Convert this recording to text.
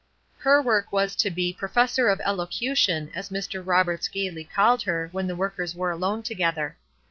Her work was to be "Professor of Elocution," as Mr. Roberts gaily called her when the workers were alone together.